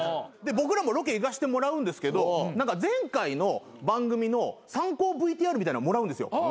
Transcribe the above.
僕らもロケ行かしてもらうんですけど前回の番組の参考ＶＴＲみたいのもらうんですよ。